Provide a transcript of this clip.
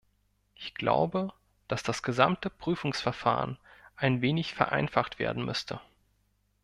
Ich glaube, dass das gesamte Prüfungsverfahren ein wenig vereinfacht werden müsste.